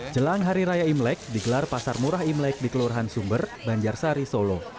jelang hari raya imlek digelar pasar murah imlek di kelurahan sumber banjarsari solo